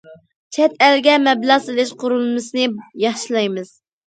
چەت ئەلگە مەبلەغ سېلىش قۇرۇلمىسىنى ياخشىلايمىز.